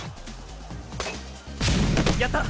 「」やった！